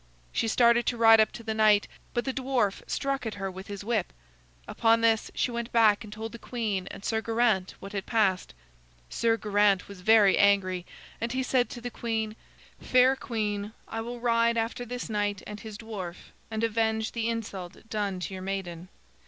She started to ride up to the knight, but the dwarf struck at her with his whip. Upon this, she went back and told the queen and Sir Geraint what had passed. Sir Geraint was very angry, and he said to the queen: "Fair queen, I will ride after this knight and his dwarf and avenge the insult done to your maiden.